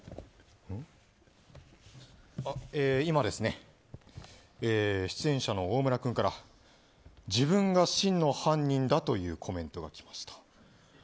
今ですね、出演者の大村君から自分が真の犯人だというコメントがきました。